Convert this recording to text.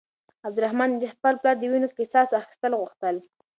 عبدالرحمن د خپل پلار د وينو قصاص اخيستل غوښتل.